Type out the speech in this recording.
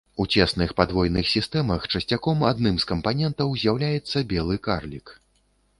У цесных падвойных сістэмах часцяком адным з кампанентаў з'яўляецца белы карлік.